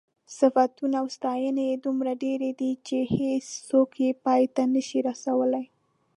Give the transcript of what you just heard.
صفتونه او ستاینې یې دومره ډېرې دي چې هېڅوک یې پای ته نشي رسولی.